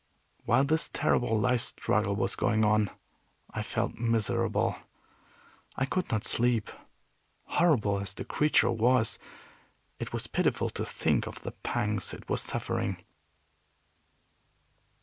While this terrible life struggle was going on, I felt miserable. I could not sleep. Horrible as the creature was, it was pitiful to think of the pangs it was suffering.